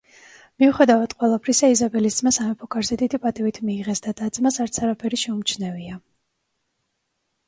მიუხედავად ყველაფრისა იზაბელის ძმა სამეფო კარზე დიდი პატივით მიიღეს და და-ძმას არც არაფერი შეუმჩნევია.